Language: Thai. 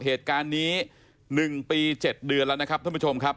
เหตุการณ์นี้๑ปี๗เดือนแล้วนะครับ